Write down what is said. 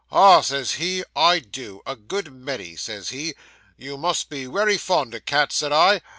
"Ah," says he, "I do a good many," says he, "You must be wery fond o' cats," says I.